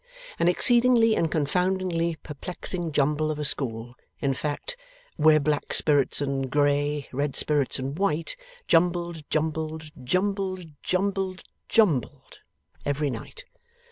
An exceedingly and confoundingly perplexing jumble of a school, in fact, where black spirits and grey, red spirits and white, jumbled jumbled jumbled jumbled, jumbled every night.